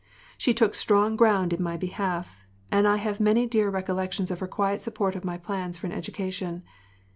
She took strong ground in my behalf, and I have many dear recollections of her quiet support of my plans for an education.